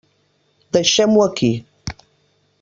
Deixem-ho aquí.